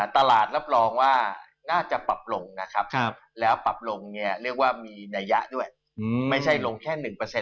ตลาดรับรองว่าน่าจะปรับลงนะครับแล้วปรับลงเนี่ยเรียกว่ามีนัยยะด้วยไม่ใช่ลงแค่๑